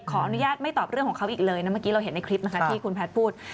ขออนุญาตไม่ตอบเรื่องของเขาอีกเลยนะเมื่อกี้เราเห็นในคลิปนะคะที่คุณแพทย์พูด